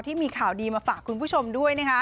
ที่มีข่าวดีมาฝากคุณผู้ชมด้วยนะคะ